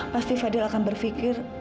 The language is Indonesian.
pasti fadil akan berpikir